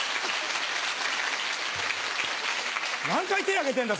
何回手挙げてんだ